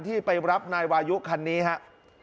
ที่ไปรับนายวายุคันนี้ครับ